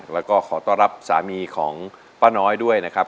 แล้วก็ขอต้อนรับสามีของป้าน้อยด้วยนะครับ